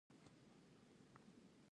تودوخه د ټولو افغان ښځو په ژوند کې رول لري.